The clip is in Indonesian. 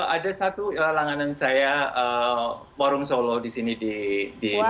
ada satu langganan saya warung solo di sini di